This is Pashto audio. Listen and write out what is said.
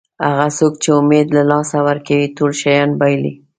هغه څوک چې امید له لاسه ورکوي ټول شیان بایلي.